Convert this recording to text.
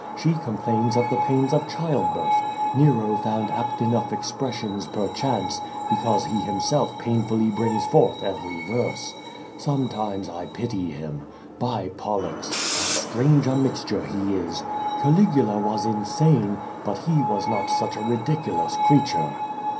She complains of the pains of child birth. Xero found a|)t enough expressions, perchance, l)ecause he himself painfully brings forth every verse. Sometimes I pity him. By Pollux! how strange a mixture he is! Caligula was insane, but he was not such a ridiculous creature."